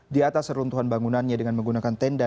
di atas runtuhan bangunannya dengan menggunakan tenda